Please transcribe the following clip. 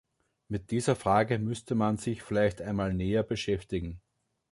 Mit dieser Frage müsste man sich vielleicht einmal näher beschäftigen.